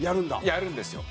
やるんですよ。